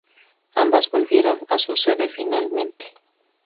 Ambas volvieron a su sede finalmente.